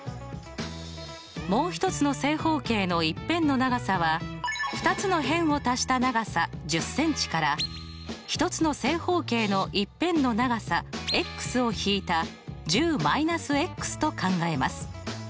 もう１つの正方形の１辺の長さは２つの辺を足した長さ１０ｃｍから１つの正方形の１辺の長さを引いた１０−と考えます。